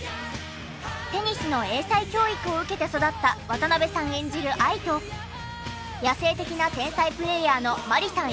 テニスの英才教育を受けて育った渡辺さん演じる愛と野性的な天才プレーヤーの万里さん